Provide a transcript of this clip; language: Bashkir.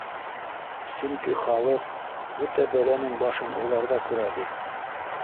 Сөнки ха лыҡ бөтә бәләнең башын уларҙа күрә бит